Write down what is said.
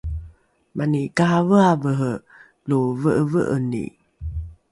mani karaveravere lo ve’eve’eni